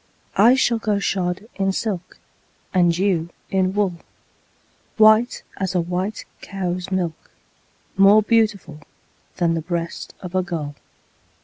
I shall go shod in silk, And you in wool, White as a white cow's milk, More beautiful Than the breast of a gull.